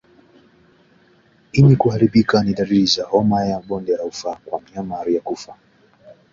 Ini kuharibika ni dalili za homa ya bonde la ufa kwa mnyama aliyekufa